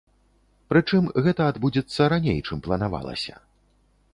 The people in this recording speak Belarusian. Прычым, гэта адбудзецца раней, чым планавалася.